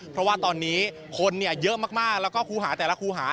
เพราะว่าตอนนี้คนเยอะมากแล้วก็ครูหาแต่ละครูหา